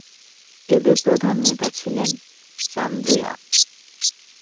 এদের প্রধান নেতা ছিলেন চান্দ্রিয়া।